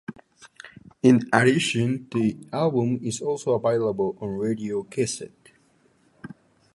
In addition, the album is also available on radio cassette.